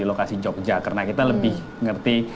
lokasi jogja karena kita lebih ngerti